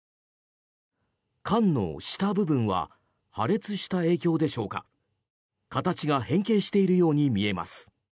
缶の下部分は破裂した影響でしょうか形が変形しているように見えます。